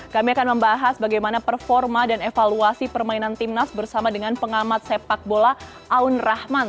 kami akan membahas bagaimana performa dan evaluasi permainan timnas bersama dengan pengamat sepak bola aun rahman